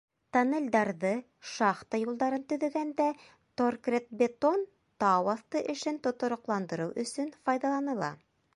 Тоннелдәрҙе, шахта юлдарын төҙөгәндә торкретбетон тау аҫты эшен тотороҡландырыу өсөн файҙаланыла.